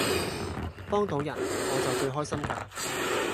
幫倒人我就最開心㗎